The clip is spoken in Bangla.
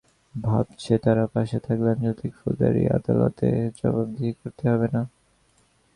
ভাবছে, তারা পাশে থাকলে আন্তর্জাতিক ফৌজদারি আদালতে জবাবদিহি করতে হবে না।